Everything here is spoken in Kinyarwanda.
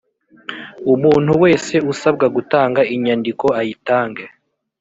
umuntu wese usabwa gutanga inyandiko ayitange